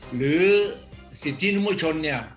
หรือสิทธินุมชนเนี่ย